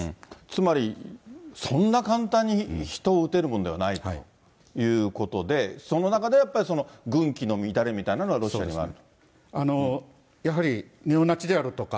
つまり、そんな簡単に人を撃てるものではないということで、その中で、やっぱり軍紀の乱れみたいなのがロシアにもある。